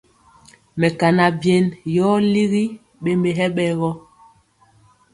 Mɛkana byen yɔ ligi ɓembe hɛ ɓɛ gɔ.